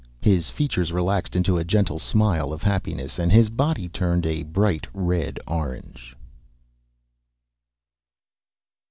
His features relaxed into a gentle smile of happiness and his body turned a bright red orange.